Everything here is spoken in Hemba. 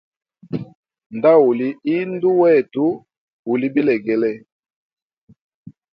Nda uli indu wetu uli bilegele.